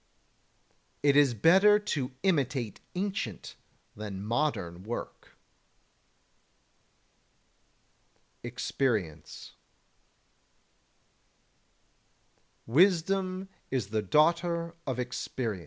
30. It is better to imitate ancient than modern work. [Sidenote: Experience] 31. Wisdom is the daughter of experience.